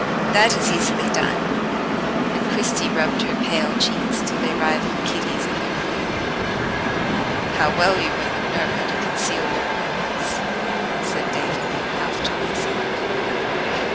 "That is easily done;" and Christie rubbed her pale cheeks till they rivalled Kitty's in their bloom. "How well you women know how to conceal your wounds," said David, half to himself.